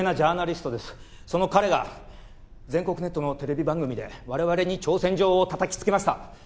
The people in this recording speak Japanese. その彼が全国ネットのテレビ番組で我々に挑戦状をたたきつけました。